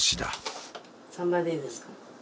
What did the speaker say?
３杯でいいですか？